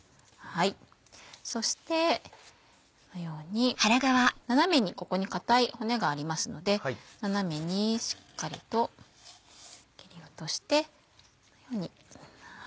そしてこのように斜めにここに硬い骨がありますので斜めにしっかりと切り落としてこのように。